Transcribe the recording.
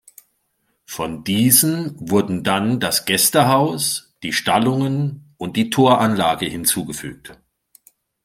Von diesen wurden dann das Gästehaus, die Stallungen und die Toranlage hinzugefügt.